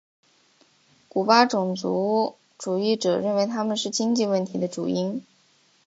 古巴种族主义者认为他们是经济问题的主因。